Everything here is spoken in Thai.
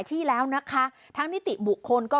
สุดทนแล้วกับเพื่อนบ้านรายนี้ที่อยู่ข้างกัน